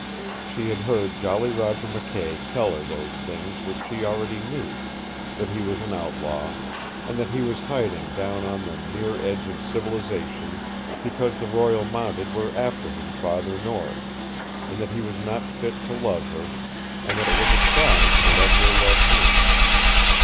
She had heard Jolly Roger McKay tell her those things which she already knew that he was an outlaw, and that he was hiding down on the near edge of civilization because the Royal Mounted were after him farther north and that he was not fit to love her, and that it was a crime to let her love him.